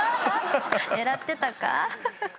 狙ってたか！？